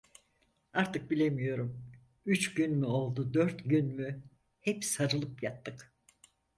Artık bilemiyorum, üç gün mü oldu, dört gün mü, hep sarılıp yattık.